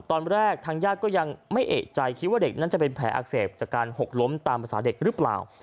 ตอนแรกทางญาติก็ยังไม่เอกใจคิดว่าเด็กนั้นจะเป็นแผลอักเสบจากการหกล้มตามภาษาเด็กหรือเปล่า